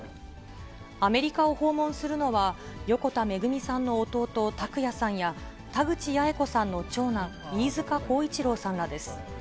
アメリカを訪問するのは、横田めぐみさんの弟、拓也さんや、田口八重子さんの長男、飯塚耕一郎さんらです。